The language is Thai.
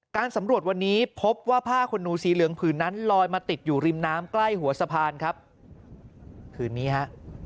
การสำรวจวันนี้พบว่าผ้าคนหนูสีเหลืองผืนนั้นลอยมาติดอยู่ริมน้ำใกล้หัวสะพานครับผืนนี้ฮะ